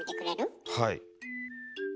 はい。